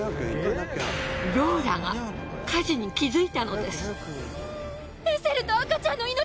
ローラが火事に気づいたのです。